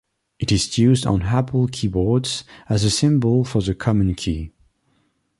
It is used on Apple keyboards as the symbol for the command key.